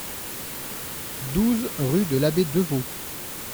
douze rue de l'Abbé Devaux